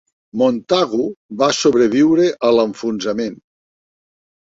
Montagu va sobreviure a l'enfonsament.